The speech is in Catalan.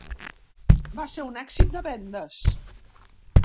Va ser un èxit de vendes.